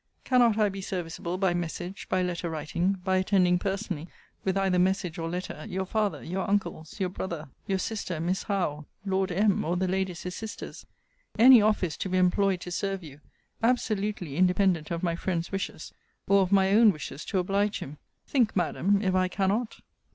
Cannot I be serviceable by message, by letter writing, by attending personally, with either message or letter, your father, your uncles, your brother, your sister, Miss Howe, Lord M., or the Ladies his sisters? any office to be employed to serve you, absolutely independent of my friend's wishes, or of my own wishes to oblige him? Think, Madam, if I cannot?